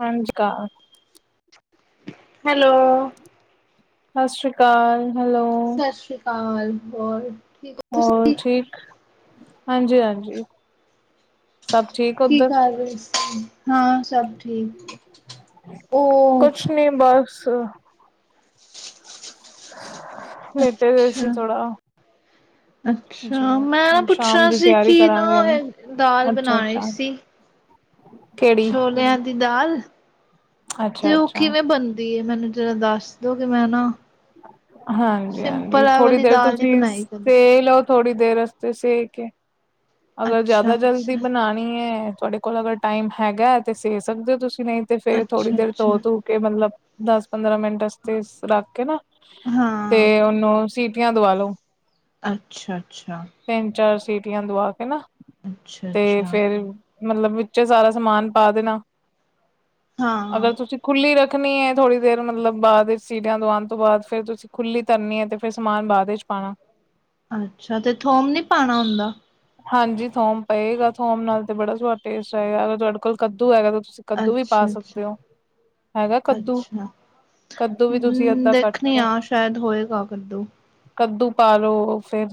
ਹਾਂਜੀ ਕ ਹੈਲੋ। ਸਤਿ ਸ਼੍ਰੀ ਅਕਾਲ ਹੈਲੋ। ਸਤਿ ਸ਼੍ਰੀ ਅਕਾਲ ਹੋਰ। ਠੀਕ ਹੋ ਹੋਰ ਤੁਸੀਂ ਠੀਕ, ਹਾਂਜੀ-ਹਾਂਜੀ ਸਭ ਠੀਕ। ਕੀ ਉੱਧਰ ਕਰ ਰਹੇ ਹੋ ਇਸ ਟਾਈਮ, ਹਾਂ ਸਭ ਠੀਕ। ਉ ਬੱਸ। ਲੇਟੇ ਦੇਏ ਸੀ ਅੱਛਾ ਥੋੜਾ। ਜੀ, ਅੱਛਾ ਮੈਂ ਨਾ ਸ਼ਾਮ ਪੁੱਛਣਾ ਦੀ ਸੀ ਤਿਆਰੀ ਕਿ ਨਾ ਕਰਾਂਗੇ ਹੁਨ, ਦਾਲ ਬਣਾਣੀ ਅੱਛਾ-ਅੱਛਾ। ਸੀ ਛੋਲਿਆਂ ਦੀ ਦਾਲ। ਅੱਛਾ ਤੇ ਉ ਅੱਛਾ ਕਿਵੇਂ ਬਣਦੀ ਹੈ ਮੈਨੂੰ ਜਰਾ ਦੱਸ ਦੋ ਕਿ ਮੈਂਨਾ ਹਾਂਜੀ-ਹਾਂਜੀ, ਥੋੜ੍ਹੀ ਵਾਲੀ ਦੇਰ ਦਾਲ ਨਹੀਂ ਤੁਸੀਂ ਬਣਾਈ ਕਦੇ ਤੇਲ ਥੋੜ੍ਹੀ ਦੇਰ ਅਸਤੇ ਸੇਕੇ ਅਗਰ ਅੱਛਾ ਜ਼ਿਆਦਾ ਜਲਦੀ ਅੱਛਾ ਬਣਾਣੀ ਤੁਹਾਡੇ ਕੋਲ ਅਗਰ ਟਾਈਮ ਹੈਗਾ ਤੇ ਸੇ ਸਕਦੇ ਹੋ ਤੁਸੀਂ ਨਹੀਂ ਤੇ ਫੇਰ ਥੋੜ੍ਹੀ ਅੱਛਾ ਦੇਰ ਅੱਛਾ ਧੋ-ਧੋ ਕੇ ਕੇ ਮਤਲਬ ਦੱਸ-ਪੰਦਰਾਂ ਮਿੰਟ ਵਸਤੇ ਰੱਖ ਕੇ ਨਾ ਤੇ ਹਾਂ ਉਹਨੂੰ ਸੀਟੀ ਸਿਟਿਆਂ ਦਵਾ ਲੋ। ਅੱਛਾ-ਅੱਛਾ। ਤਿੰਨ-ਚਾਰ ਸੀਟੀਆਂ ਦਵਾ ਕੇ ਨਾ ਅੱਛਾ ਤੇ ਅੱਛਾ ਫਿਰ ਮਤਲਬ ਵਿੱਚੇ ਸਾਰਾ ਸਮਾਨ ਪਾ ਦੇਣਾ ਹਾਂ ਅਗਰ ਤੁਸੀਂ ਖੁੱਲੀ ਰੱਖਣੀ ਥੋੜ੍ਹੀ ਦੇਰ ਮਤਲਬ ਬਾਦ ਵਿੱਚ ਸੀਟੀਆਂ ਦਵਾਉਣ ਤੋਂ ਬਾਦ ਫੇਰ ਤੁਸੀਂ ਖੁੱਲੀ ਧਰਨੀ ਹੈ ਤੇ ਫਿਰ ਸਮਾਨ ਬਾਅਦ ਚ ਪਾਣਾ। ਅੱਛਾ, ਤੇ ਥੋਮ ਨੀ ਪਾਉਣਾ ਹੁੰਦਾ? ਹਾਂਜੀ, ਥੋਮ ਪਏਗਾ ਥੋਮ ਨਾਲ ਤੇ ਬੜਾ ਸਵਾਦ ਟੇਸਟ ਆਏਗਾ ਅਗਰ ਤੁਹਾਡੇ ਕੋਲ ਕੱਦੂ ਹੈਗਾ ਤਾਂ ਤੁਸੀਂ ਕੱਦੂ ਵੀ ਪਾ ਅੱਛਾ ਅੱਛਾ ਸਕਦੇ ਹੋ ਹੈਗਾ ਕੱਦੂ, ਅੱਛਾ ਕੱਦੂ ਵੀ ਤੁਸੀਂ ਅੱਧਾ ਕੱਟ ਨੀ ਕੇ ਹਾਂ ਸ਼ਾਇਦ ਹੋਏਗਾ ਕੱਦੂ। ਕੱਦੂ ਪਾਲੋ ਫੇਰ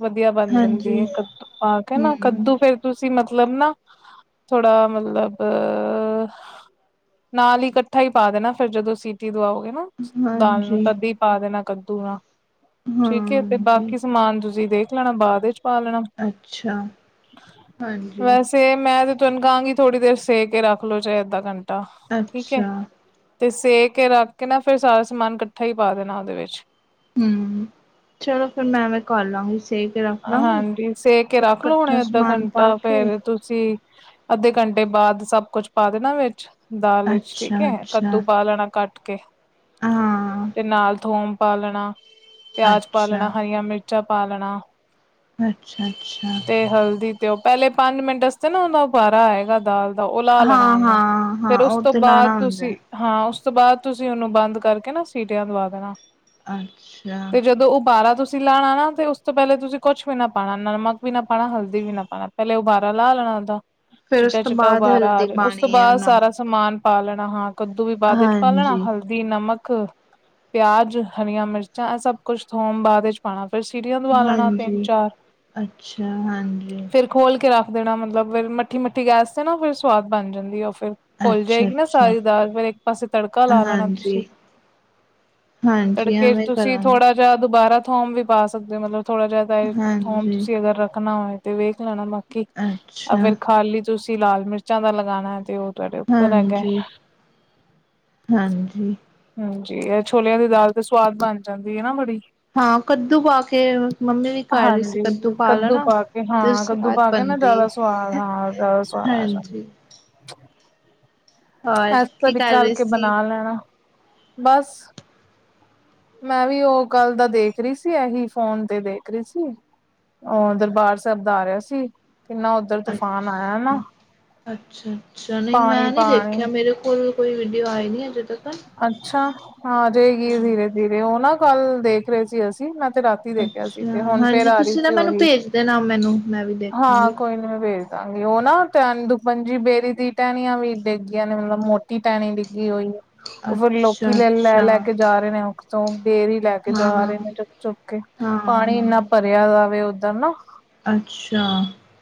ਵਧੀਆ ਬਣ ਜਾਂਦੀ ਹਾਂਜੀ ਹੈ ਕੱਦੂ ਪਾ ਕੇ ਨਾ ਹਮ ਕੱਦੂ ਫੇਰ ਤੁਸੀਂ ਮਤਲਬ ਨਾ ਥੋੜਾ ਮਤਲਬ ਹੂੰ। ਨਾਲ ਹੀ ਇਕੱਠਾ ਹੀ ਪਾ ਦੇਣਾ ਫਿਰ ਜਦੋਂ ਸੀਟੀ ਦੁਵਾੳਗੇ ਨਾ। ਦਾਲ ਨੂੰ ਹਾਂਜੀ ਤਦੀ ਪਾ ਦੇਣਾ ਕੱਦੂ ਨਾਲ, ਠੀਕ ਹੈ ਤੇ ਹਾਂਜੀ ਬਾਕੀ ਸਮਾਨ ਤੁਸੀਂ ਦੇਖ ਲੈਣਾ ਬਾਅਦ ਵਿੱਚ ਪਾ ਲੈਣਾ ਅੱਛਾ ਹਾਂਜੀ ਵੈਸੇ ਮੈਂ ਤੇ ਤੂਹਨੂੰ ਕਹਾਂਗੀ ਥੋੜੀ ਦੇਰ ਸੇ ਕੇ ਰੱਖ ਲੋੋ ਚੇ ਅੱਧਾ ਘੰਟਾ ਠੀਕ ਹੈ। ਅੱਛਾ ਤੇ ਸੇ ਕੇ ਰੱਖ ਕੇ ਨਾ ਫੇਰ ਸਾਰਾ ਸਮਾਨ ਇਕੱਠਾ ਹੀ ਪਾ ਦੇਣਾ ਉਹਦੇ ਵਿੱਚ। ਹਮ, ਚਲੋ ਫਿਰ ਮੈਂ ਐਵੇਂ ਕਰ ਲਾਗੀ ਸੇ ਕੇ ਰੱਖ ਲਾਗੀ ਹਾਂਜੀ ਸੇ ਕੇ ਫੇਰ ਰੱਖ ਲੋ ਕੱਠਾ ਹੁਣੇ ਅੱਧਾ ਸਮਾਨ ਪਾ ਘੰਟਾ ਕੇ ਫੇਰ ਤੁਸੀਂ ਅੱਧੇ ਘੰਟੇ ਬਾਅਦ ਸਭ ਕੁਛ ਪਾ ਦੇਨਾ ਵੇਚ ਦਾਲ ਇਚ ਠੀਕ ਅੱਛਾ ਏ, ਕੱਦੂ ਪਾਲੈਨਾ ਕੱਟ ਕੇ ਆ ਤੇ ਨਾਲ ਥੋਮ ਪਾ ਲੈਨਾ, ਪਿਆਜ ਪਾ ਲੈਨਾ, ਅੱਛਾ ਹਰੀਆਂ ਮਿਰਚਾਂ ਪਾ ਲੈਨਾ ਅੱਛਾ ਅੱਛਾ ਤੇ ਹਲਦੀ ਤੇ ਓ ਪਹਿਲੇ ਪੰਜ ਮਿੰਟ ਆਸਤੇ ਨਾ ਉਹਦਾ ਉਬਾਰਾ ਆਏਗਾ ਦਾਲ ਦਾ, ਉਹ ਲਾ ਲੈਨਾ ਹਾਂ ਉਹਨੂੰ, ਹਾਂ ਹਾਂ ਫੇਰ ਉਸ ਉਹ ਤੋਂ ਤੇ ਲਾਣਾ ਬਾਅਦ ਹੁੰਦਾ ਤੁਸੀਂ ਹਾਂ, ਉਸ ਤੋਂ ਬਾਅਦ ਤੁਸੀਂ ਉਹਨੂੰ ਬੰਦ ਕਰਕੇ ਨਾ ਸੀਟਿਆਂ ਦਵਾ ਦੇਨਾ ਅੱਛਾ ਤੇ ਜਦੋਂ ਉਹ ਉਬਾਰਾ ਤੁਸੀ ਤੁਸੀ ਲਾਣਾ ਨਾ ਤੇ ਉਸ ਤੋਂ ਪਹਿਲੇ ਤੁਸੀਂ ਕੋਛ ਵੀ ਨਾ ਪਾਣਾ ਨਮਕ ਵੀ ਨਾ ਪਾਣਾ, ਹਲਦੀ ਵੀ ਨਾ ਪਾਣਾ ਪਹਿਲੇ ਉਬਾਰਾ ਲਾ ਲੈਣਾ ਉਹਦਾ। ਫਿਰ ਉਸ ਚਿੱਟਾ ਤੋਂ ਚਿੱਟਾ ਬਾਅਦ ਉਬਾਰਾ ਆ ਹਲਦੀ ਜੇ, ਉਸ ਤੋਂ ਪਾਣੀ ਹੈ ਬਾਅਦ ਸਾਰਾ ਨਮਕ ਸਮਾਨ ਪਾ ਲੈਣਾ ਹਾਂ, ਕੱਦੂ ਵੀ ਬਾਅਦ ਚ ਪਾ ਲੈਣਾ ਹਾਂਜੀ ਹਲਦੀ, ਨਮਕ ਪਿਆਜ, ਹਰੀਆ ਮਿਰਚਾਂ ਇਹ ਸਭ ਕੁੱਛ ਥੋਮ ਬਾਦ ਵਿੱਚ ਪਾਣਾ ਫੇਰ ਸੀਟੀਆਂ ਦਵਾ ਲੈਣਾ ਤਿੰਨ ਹਾਂਜੀ ਚਾਰ, ਅੱਛਾ ਹਾਂਜੀ ਫੇਰ ਖੋਲ ਕੇ ਰੱਖ ਦੇਨਾ ਮਤਲਬ ਫਿਰ ਮੱਠੀ ਮਠੀ ਗੈਸ ਤੇ ਨਾ ਫਿਰ ਸਵਾਦ ਬਨ ਜਾਂਦੀ ਆ ਉਹ ਫਿਰ ਘੋਲ ਅੱਛਾ ਜਾਏਗੀ ਨਾ ਅੱਛਾ ਸਾਰੀ ਦਾਲ ਫੇਰ ਏਕ ਪਾਸੇ ਤੜਕਾ ਲਾ ਲੈਣਾ ਹਾਂਜੀ ਤੁਸੀਂ। ਹਾਂਜੀ ਤੜਕੇ ਚ ਐਵੇਂ ਤੁਸੀਂ ਥੋੜਾ ਕਰਾਂਗੇ ਜਾਂ ਦੁਬਾਰਾ ਥੋਮ ਵੀ ਪਾ ਸਕਦੇ ਹੋ ਮਤਲਬ ਥੋੜਾ ਜਿਹਾ ਤਾਂ ਇਹ ਥੋਮ ਹਾਂਜੀ ਤੁਸੀਂ ਅਗਰ ਰੱਖਨਾ ਹੋਏ ਤੇ ਵੇਖ ਲੈਨਾ ਬਾਕੀ, ਆ ਅੱਛਾ ਫੇਰ ਖਾਲੀ ਤੁਸੀਂ ਲਾਲ ਮਿਰਚਾਂ ਦਾ ਲਗਾਣਾ ਹੈ ਤੇ ਉਹ ਤੁਹਾਡੇ ਉੱਪਰ ਹੈਗਾ ਹਾਂਜੀ ਹਾਂਜੀ‌। ਹਾਂਜੀ, ਇਹ ਛੋਲਿਆਂ ਦੀ ਦਾਲ ਤੇ ਸਵਾਦ ਬਨ ਜਾਂਦੀ ਏ ਨਾ ਬੜੀ‌ ਹਾਂ ਕੱਦੂ ਪਾ ਕੇ ਮੰਮੀ ਵੀ ਕਰ ਰਹੀ ਸੀ ਹਾਂਜੀ, ਕੱਦੂ ਲੈਣਾ ਪਾ ਕੇ ਤੇ ਹਾਂ ਕੱਦੂ ਸਵਾਦ ਪਾ ਕੇ ਨਾ ਬਣਦੀ ਜ਼ਿਆਦਾ ਸ ਸਵਾਦ ਹਾਂ ਦਾਲ ਸਵਾਦ ਆ ਜਾ ਹਾਂਜੀ ਹੋਰ ਏਸ ਕੀ ਤਦੀ ਕਰ ਰਹੇ ਕਰਕੇ ਸੀ ਬਨਾ ਲੈਣਾ, ਬਸ ਮੈਂ ਵੀ ਉਹ ਕੱਲ ਦਾ ਦੇਖ ਰਹੀ ਸੀ ਏਹੀ ਫੋਨ ਤੇ ਦੇਖ ਰੀ ਸੀ। ਉਹ ਦਰਬਾਰ ਸੇਹਬ ਦਾ ਆ ਰਹਾ ਸੀ ਕਿਨਾ- ਅਛ, ਅਛਾ-ਅਛਾ ਨੀ ਪਾਣੀ ਮੈ ਨੀ ਪਾਣੀ ਦੇਖਿਆ ਮੇਰੇ ਕੋਲ ਕੋਈ ਵੀਡੀਓ ਆਏ ਨੀ ਅਜੇ ਤੱਕਨ- ਅਛਾ, ਹ ਰੇਹਗੀ ਧੀਰੇ ਧੀਰੇ ਉਹ ਨਾ ਕਲ ਦੇਖ ਰਹੇ ਸੀ ਅਸੀ ਮੈ ਤੇ ਰਾਤੀ- ਦੇਖਿਆ ਸੀ ਅੱਛਾ ਤੇ ਹੋਨ ਫੇਰ ਹਾਂਜੀ ਆ ਰੀ ਤੁਸੀਂ ਨਾ ਸੀ ਮੈਨੂੰ ਉਹੀ, ਭੇਜ ਦੇਣਾ ਮੈਨੂੰ ਮੈਂ ਵੀ ਹਾਂ ਦੇਖਾਂਗੀ। ਕੋਈ ਨੀ ਮੈ ਭੇਜ ਦਾਂਗੀ, ਉਹ ਨਾ ਟੇਹਨੀ ਦੁਖਭਜੀ ਬੇਰੀ ਦੀ ਟਹਿਨੀਆਂ ਵੀ ਡੇਗ ਗੀਆਂ ਨੇ ਮਤਲਬ ਮੋਟੀ ਟੈਨੀ ਡਿੱਗੀ ਹੋਈ ਏ ਉਹ ਫਿਰ ਅੱਛਾ ਲੋਕੀ ਲ ਲੈ ਅੱਛਾ ਲੈ ਕੇ ਜਾ ਰੇ ਨੇ ਉਖ ਤੋ ਬੇਰੀ ਲੈ ਕੇ ਹਾਂ ਜਾ ਹਾਂ ਰਹੇ ਨੇ ਚੁੱਕ- ਚੁੱਕ ਕੇ ਪਾਣੀ ਹਾਂ। ਇਨਾ ਭ ਪੇਆ ਦਾ ਵੇ ਉਧਰ ਨਾ- ਅਛਾ,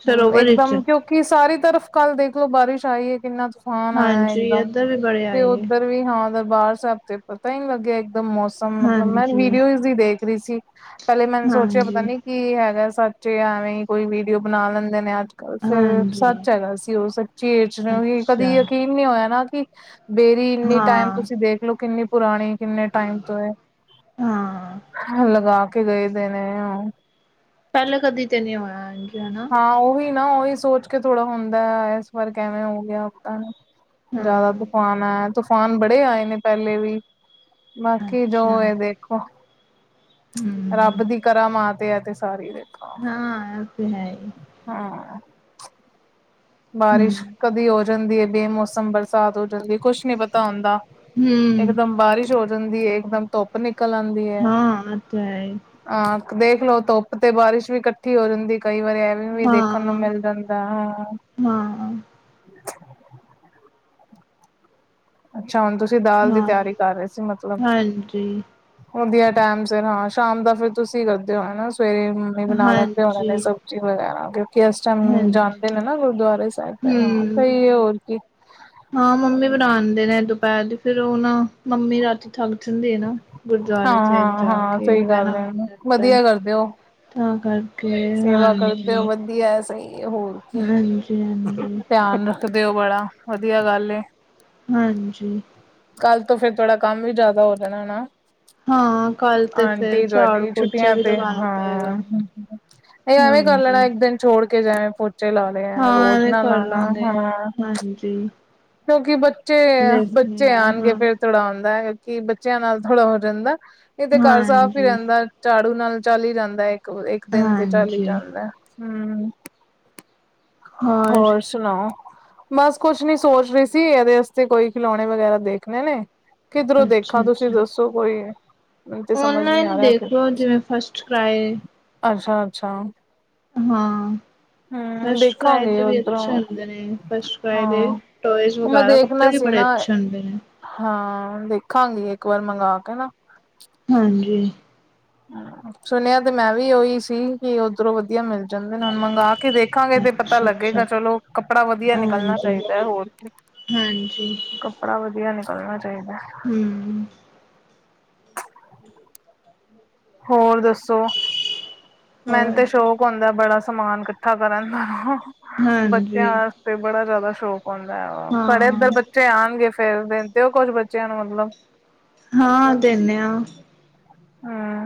ਸਰੋਵਰ ਇਚ- ਕਿ ਸਾਰੀ ਤਰਫ਼ ਕਲ ਦੇਖਲੋ ਬਾਰਿਸ਼ ਆਈ ਹੈ ਏ, ਕਿਨਾ ਤੂ ਤੂਫਾਨ ਆਇਆ ਹਾਂਜੀ ਏਕਦਮ ਇੱਧਰ ਵੀ ਬੜੇ ਤੇ ਆਏ ਉਧਰ ਵੀ, ਹਾਂ- ਦਰਬਾਰ ਸਾਹਿਬ ਤੇ ਪਤਾ ਈ ਨੀ ਲੱਗਿਆ ਇਕਦਮ ਮੋਸਮ ਮਤਲਬ ਮੈ ਹਾਂਜੀ। ਵੀਡੀਓਜ਼ ਹੀ ਦੇਖ ਰਹੀ ਸੀ ਪਹਿਲੇ ਮੈਨ ਸੋਚਿਆ ਪਤਾ ਹਾਂਜੀ ਨੀ ਕੀ ਹੈਗਾ ਸੱਚ ਏ ਐਵੇ ਈ ਕੋਈ ਵੀਡੀਓ ਬਣਾ ਲੈਦੇ ਨੇ ਅਜ- ਫੇਰ ਹਾਂਜੀ ਸਚ ਹੈਗਾ ਸੀ ਉਹ ਸਚੀ ਤੇ ਉਈ ਕਦੇ ਅੱਛਾ ਯਕੀਨ ਨਹੀਂ ਹੋਇਆ ਨਾ ਕਿ- ਬੇਰੀ ਇਨੀ ਟਾਈਮ ਹਾਂ। ਤੁਸੀ ਦੇਖਲੋ ਕਿਨੀ ਪੁਰਾਣੀ- ਕਿਨੇ ਟਾਈਮ ਤੋ ਏ, ਹਾਂ ਲਗਾ ਕੇ ਗਏ ਦੇ ਨੇ ਉਹ- ਪਹਿਲੇ ਕਦੀ ਤੇ ਨੀ ਹੋਇਆ ਏੰਜ, ਹੇਨਾ ਹਾਂ ਉਹੀ ਨਾ ਉਹੀ ਸੋਚ ਕੇ ਥੋੜ੍ਹਾ ਹੁੰਦੇ ਇਸ ਵਾਰ ਕੇਵੇ ਹੋ ਗਿਆ, ਪਤਾ ਨੀ ਜਿਆਦਾ ਹਾਂ। ਤੂਫਾਨ ਆਯਾ ਤੂਫਾਨ ਬੜੇ ਆਏ ਨੇ ਪਹਿਲੇ ਵੀ ਬਾਕੀ ਜੋ ਅੱਛਾ ਇਹ ਦੇਖ- ਦੇਖੋ ਹੂੰ ਰੱਬ ਦੀ ਕਰਾਂ ਮਾਂਤੇ ਆ ਤੇ ਸਾਰੀ ਦੇਖੋ- ਹਾਂ ਇਹ ਤੇ ਹੈਹੀ ਹਾਂ ਹੂੰ ਬਾਰਿਸ਼ ਕਦੀ ਹੋ ਜਾਦੀ ਹੈ। ਬੇਮੋਸਮ ਬਰਸਾਤ ਹੋ ਜਾਦੀ ਹੈ। ਕੁਛ ਨੀ ਪਤਾ ਹੁੰਦਾ ਇਕ ਹੂੰ। ਦਮ ਬਾਰਿਸ਼ ਹੋ ਜਾਦੀ ਹੈ। ਇਕ ਦਮ ਧੁੱਪ ਨਿਕਲ ਆਉਦੀ ਹੈ। ਹਾਂ ਤੇ ਹੈ ਹਾਂ ਦੇਖ ਲੋ ਧੁੱਪ ਤੇ ਬਾਰਿਸ਼ ਵੀ ਇਕਠੀ ਹੋ ਜਾਦੀ ਕਈ ਵਾਰੀ ਐ ਵੀ ਦੇਖਣ ਨੂੰ ਹਾਂ ਮਿਲ ਜਾਦਾ ਹੈ। ਹਾਂ ਅਛਾ ਹੁਣ ਤੁਸੀ ਦਾਲ ਦੀ ਹਾਂ ਤਿਆਰੀ ਕਰ ਰਹੇ ਸੀ ਮਤਲਬ ਹਾਂਜੀ ਹੁੰਦੀਆ ਟਾਈਮ ਫਿਰ ਹਾਂ ਸ਼ਾਮ ਦਾ ਫੇਰ ਤੁਸੀ ਕਰਦੇ ਹੋ ਹਨਾ ਸਵੇਰੇ ਮੰਮੀ ਬਣਾ ਲੈਦੇ ਹੋ ਉਹਣੇ ਹਾਂਜੀ ਨੇ ਸਬ ਵਗੈਰਾ ਕਿ ਇਸ ਟਾਈਮ ਹਾਂਜੀ ਜਾਦੇ ਨੇ ਨਾ ਗੁਰਦੁਆਰੇ ਸਾਹਿਬ ਹਾਂ ਹਮ ਸਹੀ ਹੋਰ ਕੀ ਹਾਂ ਮੰਮੀ ਬਣਾਉਣਦੇ ਨੇ ਦੁਪਹਿਰ ਦੀ ਫੇਰ ਉਹ ਨਾ ਮੰਮੀ ਰਾਤੀ ਥੱਗ ਜਾਦੇ ਨੇ ਹਾਂ ਗੁਰਦੁਆਰੇ ਸਾਹਿਬ ਹਾਂ ਜਾ ਹਾਂ ਕੇ ਸਹੀ ਬਹਿਣਾ ਗੱਲ ਹੈ ਹੁੰਦਾ ਵਧੀਆ ਕਰਦੇ ਹੋ ਤਾਂ ਕਰਕੇ ਸੇਵਾ ਹਾਂਜੀ ਕਰਦੇ ਹੋ ਵਧੀਆ ਸਹੀ ਹੈ ਹੋਰ ਕੀ- ਹਾਂਜੀ ਹਾਂਜੀ ਧਿਆਨ ਰੱਖਦੇ ਓ ਬੜਾ ਵਧੀਆ ਗੱਲ ਏ- ਹਾਂਜੀ ਕਲ ਤੋ ਫੇਰ ਥੋੜਾ ਕਮ ਵੀ ਜਿਆਦਾ ਹੋ ਜਾਣਾ ਹੈ। ਹਾਂ ਕੱਲ ਤੇ ਫਿਰ ਆਂਟੀ ਝਾੜੂ ਤੁਹਾਡੀੇ ਪੋਚਾ ਛੁੱਟੀਆਂ ਵੀ ਤੇ ਲਗਾਉਣਾ ਪਏਗਾ ਹਾਂ ਇਹ ਐਵੇ ਕਰ ਲਣਾ ਹਾਂਜੀ ਇਕ ਦਿਨ ਛੜ ਕੇ ਗਏ ਪਹੁੰਚੇ ਲਾ ਕੇ ਮੈ ਰੋਜ਼ ਨਾਲ ਲਾਉਣਾ ਹਾਂ ਜੀ ਕਿਉਕਿ ਬੱਚੇ ਬੱਚੇ ਆ ਆਉਣਗੇ ਹਾਂ ਫਿਰ ਥੋੜਾ ਹੁੰਦਾ, ਕਿ ਬੱਚਿਆਂ ਨਾਲ ਥੋੜਾ ਹੋ ਜਾਦਾ ਨਹੀਂ ਤੇ ਘਰ ਸਾਫ਼ ਹੀ ਹਾਂਜੀ ਰਹਿਦਾ ਝਾੜੂ ਨਾਲ ਚਲ ਹੀ ਜਾਦਾ ਇਕ ਇਕ ਦਿਨ ਤੇ ਚਲ ਹੀ ਹਾਂਜੀ ਜਾਦਾ ਹੂੰ ਹੋਰ ਸੁਣਾਓ ਬਸ ਕੁਛ ਨੀ ਸੋਚ ਰਹੀ ਸੀ ਇਹਦੇ ਵਸਤੇ ਕੋਈ ਖਿਲੋਣੇ ਵਗੈਰਾ ਦੇਖਨੇ ਕਿਧਰੋ ਦੇਖਾ ਅੱਛਾ ਤੁਸੀ ਅੱਛਾ ਦਸੋ ਦੋਸ਼ ਕੋਈ ਮੈਨੂੰ ਤੇ ਸਮਝ ਨਹੀ ਆ ਔਨਲਾਈਨ ਰਿਹਾ ਫਿਰ ਦੇਖ ਲਓ ਜਿਵੇਂ ਫਸਟ ਕਰਾਏ ਅਛਾ ਅਛਾ ਹਾਂ ਫਸਟ ਕਰਾਏ ਦੇਖਾਂਗੇ ਦੇ ਵੀ ਉੱਧਰੋਂ ਅਛੇ ਹੁੰਦੇ ਨੇ ਫਸਟ ਕਰਾਏ ਦੇ ਹਾਂ ਟੋਇਜ਼ ਉਹ ਮੈਂ ਵਗੈਰਾ ਕੱਪੜੇ ਦੇਖਣਾ ਵੀ ਸੀ ਬੜੇ ਨਾ ਅੱਛੇ ਹੁੰਦੇ ਨੇ ਹਾਂ ਦੇਖਾਂਗੀ ਇੱਕ ਵਾਰ ਮੰਗਵਾ ਕੇ ਨਾ ਹਾਂਜੀ ਸੁਣਿਆ ਤੇ ਮੈਂ ਵੀ ਉਹੀ ਸੀ ਕਿ ਉਧਰੋਂ ਵਧੀਆ ਮਿਲ ਜਾਂਦੇ ਨੇ ਹੁਣ ਮੰਗ ਕੇ ਦੇਖਾਂਗੇ ਤੇ ਪਤਾ ਅੱਛਾ ਅੱਛਾ ਲੱਗੇਗਾ ਚਲੋ ਕੱਪੜਾ ਵਧੀਆ ਨਿਕਲਣਾ ਹਾਂਜੀ ਚਾਹੀਦਾ ਹੈ ਹੋਰ [unintelligible] ਹਾਂਜੀ ਕੱਪੜਾ ਵਧੀਆ ਨਿਕਲਣਾ ਚਾਹੀਦਾ ਹਮ ਹੋਰ ਦੱਸੋ ਮੈਨੂੰ ਤੇ ਹੋਰ ਸ਼ੌਕ ਹੁੰਦਾ ਬੜਾ ਸਮਾਨ ਇਕੱਠਾ ਕਰਨ ਦਾ ਬੱਚਿਆਂ ਹਾਂਜੀ ਦਾ ਤੇ ਬੜਾ ਜਿਆਦਾ ਸ਼ੌਕ ਹੁੰਦਾ ਹੈ ਸਾਡੇ ਇਧਰ ਹਾਂ ਬੱਚੇ ਆਉਣਗੇ ਫੇਰ [unintelligible] ਕੁਝ ਬੱਚਿਆਂ ਨੂੰ ਮਤਲਬ ਹਾਂ ਦੇਵੇ ਹਾ ਹਮ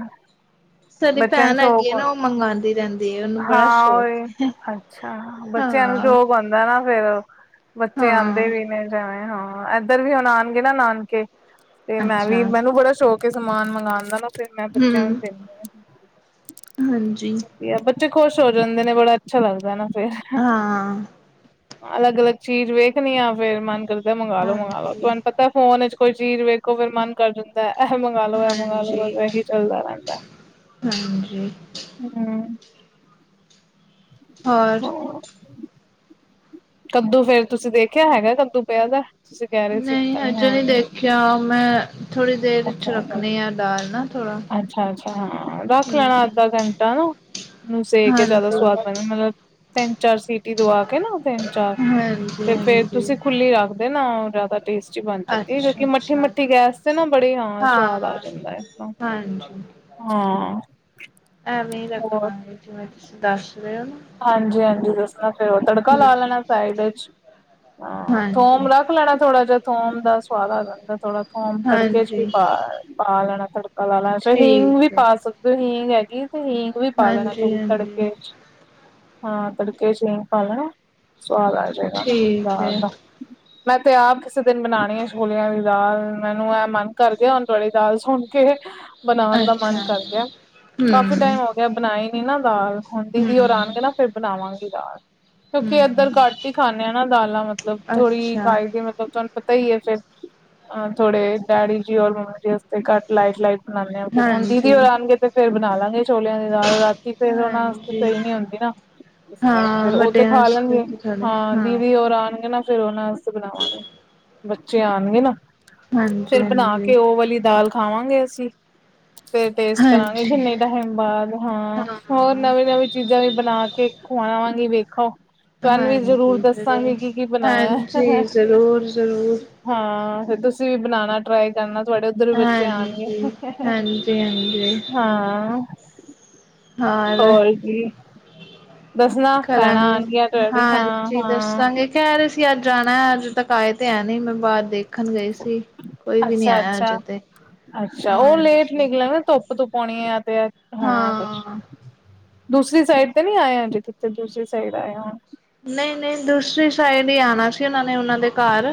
ਸਾਡੀ ਬੱਚਿਆਂ ਨੂੰ ਭੈਣ ਹੈਗੀ ਏ ਸ਼ੌਕ ਨਾ ਉਹ ਮੰਗਾਦੀ ਰਹਿੰਦੀ। ਹੈ ਉਹਨੂੰ ਬੜਾ ਹਾਂ ਸ਼ੌਕ ਉ, ਹੈ ਅੱਛਾ ਬੱਚਿਆਂ ਨੂੰ ਹਾਂ ਜੋ ਬਣਦਾ ਨਾ ਫੇਰ ਬੱਚੇ ਆਂਦੇ ਹਾਂ ਵੀ ਨੇ ਜਿਵੇਂ ਹਾਂ ਐ ਇੱਧਰ ਵੀ ਹੁਣ ਆਣਗੇ ਨਾ ਨਾਨਕੇ, ਤੇ ਮੈਂ ਅੱਛਾ ਵੀ ਮੈਨੂੰ ਬੜਾ ਸ਼ੌਕ ਹੈ ਸਮਾਨ ਮੰਗਾਣ ਦਾ ਨਾ। ਫਿਰ ਮੈਂ ਬੱਚਿਆਂ ਹਮ ਨੂੰ ਦਿੰਨੀ ਆ। ਹਾਂਜੀ। ਆ ਬੱਚੇ ਖੁਸ਼ ਹੋ ਜਾਂਦੇ ਨੇ ਬੜਾ ਅੱਛਾ ਲੱਗਦਾ ਨਾ ਫਿਰ। ਹਾਂ ਅਲੱਗ-ਅਲੱਗ ਚੀਜ਼ ਵੇਖਣੀ ਆ ਫੇਰ ਮਨ ਕਰਦਾ ਮੰਗਾ ਲੋ ਮੰਗਾ ਲੋ ਹਾਂਜੀ ਤੁਹਾਨੂੰ ਪਤਾ ਫੋਨ ਵਿੱਚ ਕੋਈ ਚੀਜ਼ ਵੇਖੋ ਫੇਰ ਮਨ ਕਰ ਜਾਂ ਤੈ ਇਹੇ ਮੰਗਾ ਲੋ ਇਹ ਮੰਗਾ ਲੋ ਹਾਂਜੀ ਇਹੀ ਚੱਲਦਾ ਰਹਿੰਦਾ। ਹਾਂਜੀ ਹੂੰ ਹੋਰ ਕੱਦੂ ਫੇਰ ਤੁਸੀਂ ਦੇਖਿਆ ਹੈਗਾ ਕੱਦੂ ਪਿਆ ਦਾ, ਤੁਸੀਂ ਕਹਿ ਰਹੇ ਸੀ ਪਤਾ ਨੀ ਹੈ ਨੀ। ਕਿਆ ਮੈਂ, ਥੋੜ੍ਹੀ ਦੇਰ 'ਚ ਰੱਖਣੀ ਆ ਦਾਲ ਨਾ। ਥੋੜਾ ਅੱਛਾ-ਅੱਛਾ ਹਾਂ ਰੱਖ ਲੈਣਾ ਹਮ ਅੱਧਾ ਘੰਟਾ ਨਾ। ਉਹਨੂੰ ਸੇਕ ਕੇ ਜਿਆਦਾ ਸਵਾਦ ਹਾਂਜੀ ਬਣਨ ਮਤਲਬ, ਤਿੰਨ-ਚਾਰ ਸੀਟੀ ਦਵਾ ਕੇ ਨਾ ਤਿੰਨ-ਚਾਰ ਹਾਂਜੀ ਤੇ ਫੇਰ ਹਾਂਜੀ ਤੁਸੀਂ ਖੁੱਲੀ ਰੱਖਦੇ ਨਾ ਜ਼ਿਆਦਾ ਟੇਸ ਬਣ ਜਾਂਦੀ ਅੱਛਾ ਕਿਉਂਕਿ ਮੱਠੀ ਅੱਛਾ ਮੱਠੀ ਗੈਸ ਤੇ ਨਾ ਬੜੇ ਹਾਂ ਸਵਾਦ ਆ ਜਾਂਦਾ। ਹਾਂਜੀ, ਹਾਂ ਐਵੇਂ ਈ ਹੋਰ ਰੱਖਾਂਗੇ। ਜਿਵੇਂ ਤੁਸੀਂ ਦੱਸ ਰਹੇ ਓ ਨਾ। ਹਾਂਜੀ-ਹਾਂਜੀ ਦੱਸਣਾ ਫਿਰ ਉਹ ਤੜਕਾ ਲਾ ਲੈਣਾ ਫਰਾਈ ਡੇ 'ਚ, ਹਾਂ ਹਾਂਜੀ ਥੋਮ ਹਾਂਜੀ ਰੱਖ ਲੈਣਾ ਥੋੜਾ ਜਾ ਥੋਮ ਦਾ ਸਵਾਦ ਆ ਜਾਂਦਾ ਥੋੜਾ ਥੋਮ ਤੜਕੇ 'ਚ ਵੀ ਹਾਂਜੀ ਪਾ ਪਾ ਲੈਣਾ ਤੜ ਲਾ ਲੈਣਾ ਚੋ ਹੀਂਗ ਵੀ ਠੀਕ ਹੈ ਪਾ ਸਕਦੇ ਹੋ ਹੀਂਗ ਹੈਗੀ ਤੇ ਹੀਂਗ ਵੀ ਪਾ ਲੈਣਾ ਹਾਂਜੀ ਥੋੜੀ ਹਾਂਜੀ ਤੜਕੇ 'ਚ। ਹਾਂ ਤੜਕੇ 'ਚ ਹੀਂਗ ਪਾ ਲੈਣਾ, ਸਵਾਦ ਆ ਜਾਏਗਾ ਨਾ ਠੀਕ ਦਾਲ ਹੈ ਦਾ। ਮੈਂ ਤੇ ਆਪ ਕਿਸੇ ਦਿਨ ਬਣਾਣੀ ਆ ਛੋਲਿਆਂ ਦੀ ਦਾਲ ਮੈਨੂੰ ਇਹ ਮਨ ਕਰ ਗਿਆ ਹੁਨ। ਤੁਹਾਡੀ ਦਾਲ ਸੁਣ ਕੇ, ਬਣਾਣ ਦਾ ਮਨ ਅੱਛਾ ਕਰ ਗਿਆ। ਹਮ ਕਾਫੀ ਟਾਈਮ ਹੋ ਹੋ ਗਿਆ ਬਣਾਈ ਨੀ ਨਾ ਦਾਲ, ਹੁਣ ਦੀਦੀ ਹੋਰੀ ਹਮ ਆਣਗੇ ਨਾ ਫੇਰ ਬਣਾਵਾਂਗੀ ਦਾਲ। ਕਿਉਂਕਿ ਹਮ ਇੱਧਰ ਘੱਟ ਹੀ ਖਾਂਦੇ ਆ ਨਾ ਦਾਲਾਂ ਮਤਲਬ ਥੋੜ੍ਹੀ ਅੱਛਾ ਖਾਈ ਦੀ ਮਤਲਬ ਤੁਹਾਨ ਪਤਾ ਈ ਏ ਫੇਰ, ਅ ਥੋੜੇ ਡੈਡੀ ਜੀ ਔਰ ਮੰਮੀ ਜੀ ਆਸਤੇ ਘੱਟ ਲਾਈਟ-ਲਾਈਟ ਬਣਾਨੇ ਆ ਫਿਰ ਹੁਣ ਦੀਦੀ ਹਾਂਜੀ ਹੋਰੀ ਆਣਗੇ ਤੇ ਫੇਰ ਬਣਾਲਾਗੇ ਛੋਲਿਆਂ ਦੀ ਦਾਲ ਰਾਤੀ ਫੇਰ ਉਹਨਾਂ ਆਸਤੇ ਹਾਂਜੀ ਸਹੀ ਨੀ ਹੁੰਦੀ ਨਾ। ਹਾਂ ਫਿਰ ਉਹ ਤੇ ਵੱਡਿਆਂ ਖਾ ਵਾਸਤੇ ਲੈਣਗੇ, ਤੇ ਥੋੜੇ ਹਾਂ ਦੀਦੀ ਹੋਰਾ ਆਣਗੇ ਨਾ ਫੇਰ ਉਹਨਾਂ ਆਸਤੇ ਬਣਾਵਾਂਗੇ। ਬੱਚੇ ਆਣਗੇ ਨਾ, ਹਾਂਜੀ ਫੇਰ ਬਣਾ ਹਾਂਜੀ ਕੇ ਉਹ ਵਾਲੀ ਦਾਲ ਖਾਵਾਂਗੇ ਅਸੀਂ। ਫੇਰ ਟੇਸਟ ਕਰਾਂਗੇ ਹਾਂਜੀ ਕਿੰਨੇ ਟਾਈਮ ਬਾਅਦ ਹਾਂ ਹੋਰ ਹਾਂ ਨਵੀਂ-ਨਵੀਂ ਚੀਜ਼ਾਂ ਦੀ ਬਣਾ ਕੇ ਖਵਾਵਾਂਗੀ ਵੇਖੋ। ਤੁਹਾਨੂੰ ਵੀ ਜ਼ਰੂਰ ਹਾਂਜੀ ਦੱਸਾਂਗੇ ਜ਼ਰੂਰ ਕੀ-ਕੀ ਬਣਾਇਆ। ਹਾਂਜੀ ਜ਼ਰੂਰ ਜ਼ਰੂਰ ਹਾਂ ਫਿਰ ਤੁਸੀਂ ਵੀ ਬਣਾਣਾ। ਟਰਾਈ ਕਰਨਾ ਤੁਹਾਡੇ ਉੱਧਰ ਵੀ ਬੱਚੇ ਆਣਗੇ। ਹਾਂਜੀ ਹਾਂਜੀ ਹਾਂਜੀ ਹਾਂ। ਹੋਰ ਕੀ, ਦੱਸਣਾ ਪੈਣਾਂ ਕਰਾਂਗੇ ਆਣਗੀਆਂ ਟ ਹਾਂ ਹਾਂਜੀ ਹਾਂ। ਦੱਸਾਂਗੇ ਕਹਿ ਰਹੇ ਸੀ ਅੱਜ ਜਾਣਾ ਅੱਜ ਤੱਕ ਆਏ ਤੇ ਹੈ ਨੀ ਮੈਂ ਬਾਹਰ ਦੇਖ ਦੇਖਨ ਗਈ ਸੀ, ਕੋਈ ਵੀ ਨੀ ਅੱਛਾ ਆਇਆ ਅੱਛਾ ਅਜੇ ਤੇ, ਹਾਂਜੀ। ਕਦੋਂ ਪਾਉਣੀ ਆ ਤੇ, ਹੋਣਾ ਕੁਛ। ਹਾਂ ਦੂਸਰੀ ਸਾਈਡ ਤੇ ਨੀ ਆਏ ਅਜੇ ਕਿਤੇ ਤੁਸੀਂ ਦੂਸਰੀ ਸਾਈਡ ਆਏ ਹੋਵੋ। ਨਹੀਂ-ਨਹੀਂ ਦੂਸਰੀ ਸਾਈਡ ਹੀ ਆਣਾ ਸੀ ਉਹਨਾਂ ਨੇ ਉਹਨਾਂ ਦੇ ਘਰ।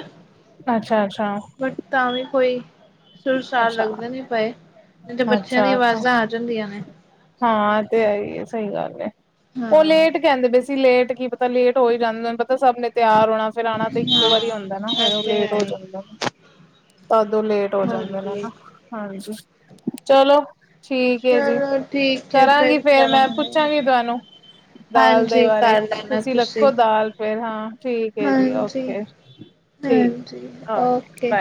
ਅੱਛਾ-ਅੱਛਾ। ਬਟ ਤਾਂ ਵੀ ਕੋਈ ਸੁਰਸਾਲ ਅੱਛਾ ਲੱਗਦੇ ਨੀ ਪਏ ਨੀ ਤੇ ਬੱਚਿਆਂ ਦੀ ਅੱਛਾ ਅੱਛਾ ਆਵਾਜ਼ਾਂ ਜਾਂਦੀਆਂ ਨੇ ਹਾਂ, ਤੇ ਹੈ ਹੀ ਹੈ ਸਹੀ ਗੱਲ ਏ ਹਾਂ ਉਹ ਲੇਟ ਕਹਿੰਦੇ ਪਏ ਸੀ। ਲੇਟ ਕੀ ਪਤਾ ਲੇਟ ਹੋਈ ਜਾਂੰਦੇ ਤੁਹਾਨੂੰ ਪਤਾ ਸਭ ਨੇ ਤਿਆਰ ਹੋਣਾ। ਫਿਰ ਆਣਾ ਤਾਂ ਇੱਕੋ ਵਾਰੀ ਹਾਂ ਉਂਦਾ ਨਾ ਫਿਰ ਉਹ ਇਹ ਤੇ ਲੇਟ ਹੈ ਹੋ ਹੀ ਜਾਂਦਾ। ਤਾਂਦੋਂ ਲੇਟ ਹੋ ਜਾਂਦੇ ਨੇ ਹਾਂਜੀ ਨਾ ਹਾਂਜੀ! ਚਲੋ ਠੀਕ ਏ ਜੀ। ਚਲੋ ਠੀਕ ਹੈ, ਕਰਾਂਗੀ ਫੇਰ ਮੈਂ ਕਰਾਂਗੇ। ਪੁੱਛਾਂਗੀ ਤੁਹਾਨੂੰ ਦਾਲ ਦੇ ਹਾਂਜੀ! ਬਾਰੇ ਕਰ ਲੈਣਾ ਤੁਸੀਂ, ਰੱਖੋ ਦਾਲ ਫੇਰ ਹਾਂ ਠੀਕ ਹੈ ਜੀ ਹਾਂਜੀ। ਓਕੇ ਠੀਕ ਹਾਂਜੀ! ਓਕੇ